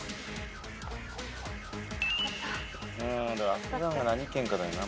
阿蘇山が何県かだよな。